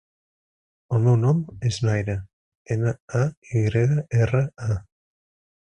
El meu nom és Nayra: ena, a, i grega, erra, a.